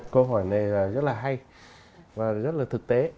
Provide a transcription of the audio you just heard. câu hỏi này là rất là hay và rất là thực tế